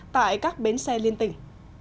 tại các bến xe liên tỉnh